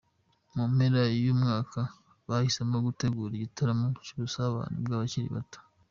Mu mpera z’uyu mwaka bahisemo gutegura igitaramo cy’ubusabane bw’abakiri bato.